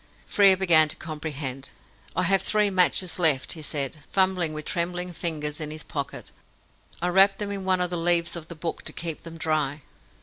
Frere began to comprehend. "I have three matches left," he said, fumbling, with trembling fingers, in his pocket. "I wrapped them in one of the leaves of the book to keep them dry."